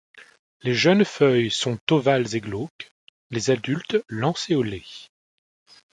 Les jeunes feuilles sont ovales et glauques, les adultes, lancéolées.